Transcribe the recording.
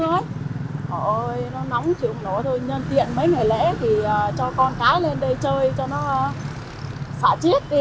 trời ơi nó nóng chịu một nỗi thôi nhân tiện mấy người lễ thì cho con cái lên đây chơi cho nó xả chết đi